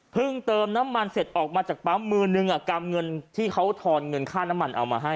เติมน้ำมันเสร็จออกมาจากปั๊มมือนึงกำเงินที่เขาทอนเงินค่าน้ำมันเอามาให้